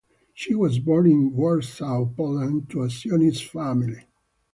She was born in Warsaw, Poland to a Zionist family.